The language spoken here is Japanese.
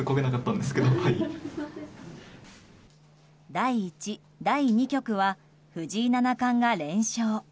第１・第２局は藤井七冠が連勝。